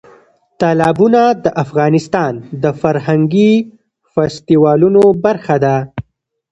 تالابونه د افغانستان د فرهنګي فستیوالونو برخه ده.